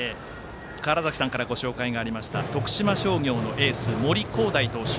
川原崎さんからご紹介がありました徳島商業のエース森煌誠投手。